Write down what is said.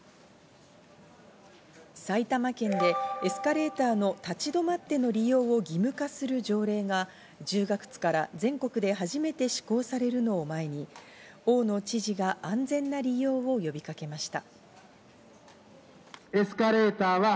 埼玉県でエスカレーターの立ち止まっての利用を義務化する条例が１０月から全国で初めて施行されるのを前に大野知事が安全な利用を呼びかけました。